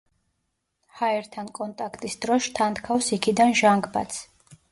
ჰაერთან კონტაქტის დროს შთანთქავს იქიდან ჟანგბადს.